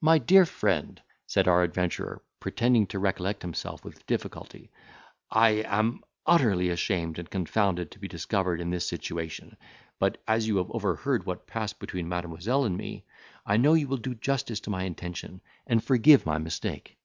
"My dear friend," said our adventurer, pretending to recollect himself with difficulty, "I am utterly ashamed and confounded to be discovered in this situation; but, as you have overheard what passed between Mademoiselle and me, I know you will do justice to my intention, and forgive my mistake.